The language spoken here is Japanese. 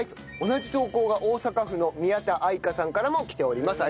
同じ投稿が大阪府の宮田愛佳さんからも来ております。